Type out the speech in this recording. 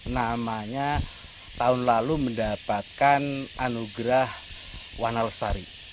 namanya tahun lalu mendapatkan anugerah wanarostari